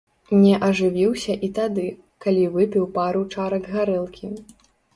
Не ажывіўся і тады, калі выпіў пару чарак гарэлкі.